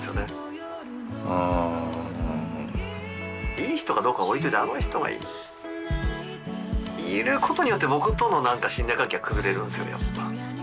いい人かどうかは置いといてあの人がいることによって僕との何か信頼関係が崩れるんですよねやっぱ。